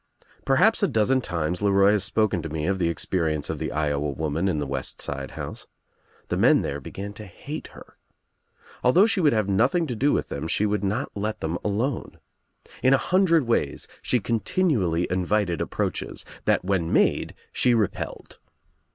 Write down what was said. Perhaps a dozen times LeRoy has spoken to me of the experience of the Iowa woman in the west side house. The men there began to hate her. Although she would have nothing to do with them she would not let them alone. In a hundred ways she continually invited approaches that when made she repelled.